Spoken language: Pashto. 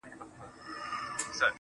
په مخه دي د اور ګلونه~